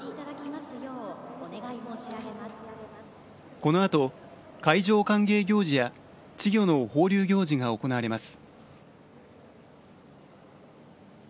このあと、海上歓迎行事や稚魚の放流行事が行われます。